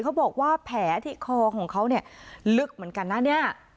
เขาบอกว่าแผลที่คอของเขาเนี่ยลึกเหมือนกันนะเนี่ย